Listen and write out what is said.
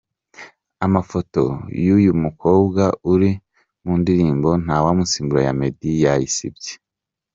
Amafoto y’uyu mukobwa uri mu ndirimbo ’Ntawamusimbura’ Meddy yayisibye.